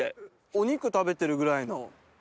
お肉食べてるぐらいの。